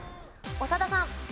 長田さん。